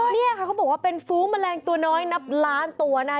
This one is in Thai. นี่ค่ะเขาบอกว่าเป็นฟู้แมลงตัวน้อยนับล้านตัวนะคะ